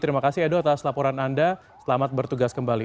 terima kasih edo atas laporan anda selamat bertugas kembali